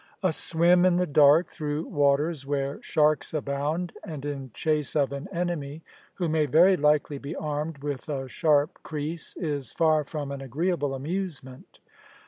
A swim in the dark through waters where sharks abound, and in chase of an enemy who may very likely be armed with a sharp creese, is far from an agreeable amusement.